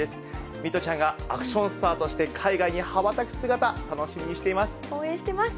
弥都ちゃんがアクションスターとして海外に羽ばたく姿、楽しみに応援してます。